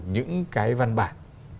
những cái văn bản